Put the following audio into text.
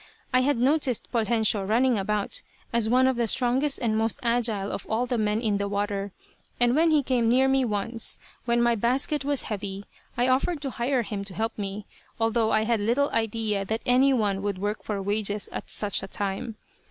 I had noticed Poljensio running about, as one of the strongest and most agile of all the men in the water, and when he came near me once, when my basket was heavy, I offered to hire him to help me, although I had little idea that any one would work for wages at such a time.